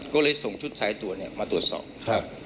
ก็เลยส่งชุดสายตรวจเนี่ยมาตรวจสอบครับ